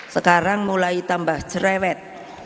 sekarang mulai tambah jerewet